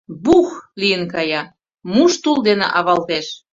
Бух! лийын кая, муш тул дене авалтеш.